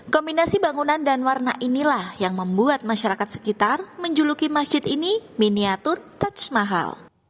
kombinasi bangunan dan warna inilah yang membuat masyarakat sekitar menjuluki masjid ini miniatur taj mahal